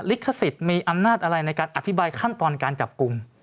ลิขสิทธิ์มีอำนาจอะไรในการอธิบายขั้นตอนการจับกลุ่ม